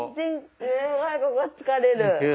すっごいここ疲れる。